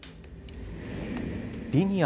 リニア